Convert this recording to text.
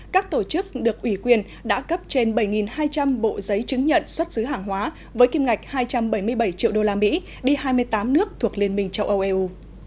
các tổ chức được ủy quyền đã cấp trên bảy hai trăm linh bộ giấy chứng nhận xuất xứ hàng hóa với kim ngạch hai trăm bảy mươi bảy triệu usd đi hai mươi tám nước thuộc liên minh châu âu eu